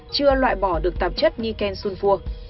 chưa loại bỏ được tạp chất niken sunfur